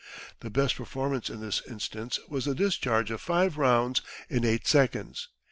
The best performance in this instance was the discharge of five rounds in eight seconds.